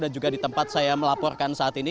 dan juga di tempat saya melaporkan saat ini